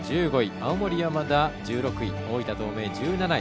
青森山田、１６位大分東明、１７位。